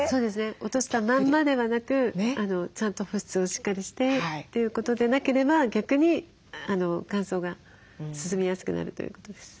落としたまんまではなくちゃんと保湿をしっかりしてということでなければ逆に乾燥が進みやすくなるということです。